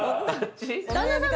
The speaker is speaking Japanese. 旦那さん